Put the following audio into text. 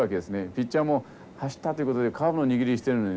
ピッチャーも走ったっていうことでカーブの握りしてるのにですね